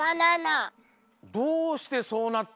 どうしてそうなった？